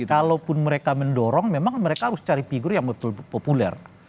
tapi kalau pun mereka mendorong memang mereka harus cari figur yang betul populer